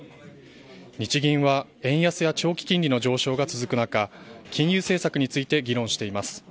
日銀は、円安や長期金利の上昇が続く中、金融政策について議論しています。